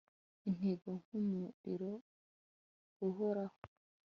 Intego nkumuriro uhoraho